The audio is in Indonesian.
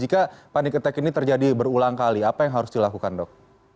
jika panic attack ini terjadi berulang kali apa yang harus dilakukan dok